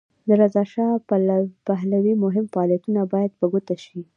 د رضاشاه پهلوي مهم فعالیتونه باید په ګوته شي.